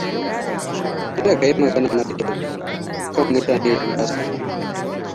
Kada ka yi magana mara kyau akan mutane idan basa nan.